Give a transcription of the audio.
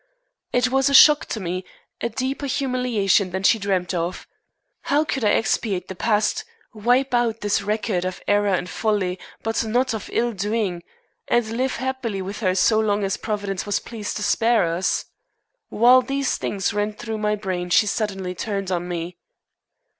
It was a shock to me, a deeper humiliation than she dreamed of. How could I expiate the past, wipe out this record of error and folly, but not of ill doing, and live happily with her so long as Providence was pleased to spare us? While these things ran through my brain she suddenly turned on me.